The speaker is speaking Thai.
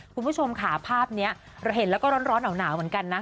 คุณผู้ชมค่ะภาพนี้เราเห็นแล้วก็ร้อนหนาวเหมือนกันนะ